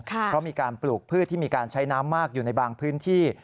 เพราะมีการปลูกพืชที่มีการใช้น้ำมากอยู่ในบางพื้นที่